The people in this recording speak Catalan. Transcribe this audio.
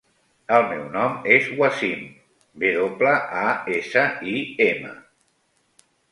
El meu nom és Wasim: ve doble, a, essa, i, ema.